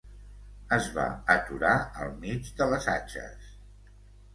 Es va aturar al mig de les atxes